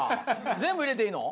全部入れていいの？